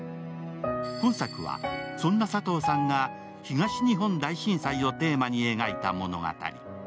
今作は、そんな佐藤さんが東日本大震災をテーマに描いた物語。